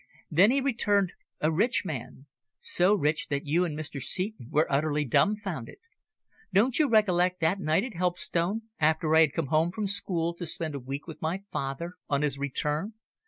Then he returned a rich man so rich that you and Mr. Seton were utterly dumbfounded. Don't you recollect that night at Helpstone, after I had come from school to spend a week with my father on his return?